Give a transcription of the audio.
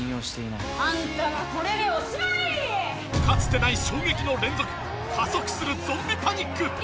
かつてない衝撃の連続加速するゾンビパニック